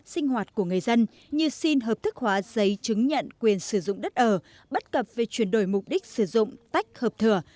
sinh hoạt của người dân như xin hợp thức hóa giấy chứng nhận quyền sử dụng đất ở bất cập về chuyển đổi mục đích sử dụng tách hợp thửa